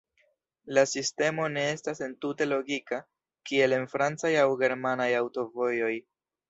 La sistemo ne estas entute logika kiel en francaj aŭ germanaj aŭtovojoj.